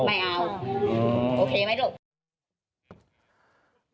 ไม่เอาโอเคไหมลูก